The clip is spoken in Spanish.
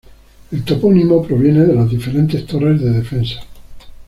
El topónimo proviene de las diferentes torres de defensa.